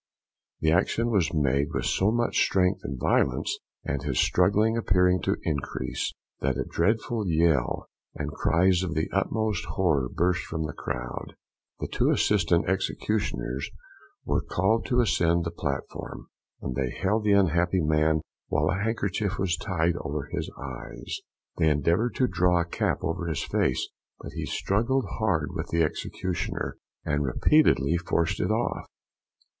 The action was made with so much strength and violence, and his struggling appearing to increase, that a dreadful yell, and cries of the utmost horror burst from the crowd. The two assistant executioners were called to ascend the platform, and they held the unhappy man while a handkerchief was tied over his eyes. They endeavoured to draw a cap over his face, but he struggled hard with the executioner, and repeatedly forced it off.